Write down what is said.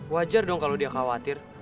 wajar dong kalau dia khawatir